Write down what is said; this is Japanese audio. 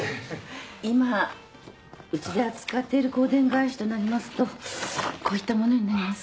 今うちで扱っている香典返しとなりますとこういったものになります。